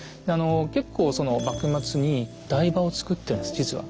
結構その幕末に台場を造ってるんです実は。